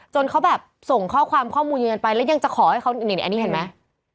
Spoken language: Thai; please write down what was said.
เขาแบบส่งข้อความข้อมูลยืนยันไปแล้วยังจะขอให้เขานี่อันนี้เห็นไหม